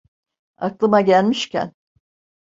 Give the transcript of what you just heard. Aklıma gelmişken…